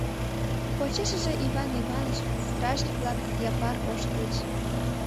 Почешыже Иван Иванович, стражник-влак, Япар ошкыльыч.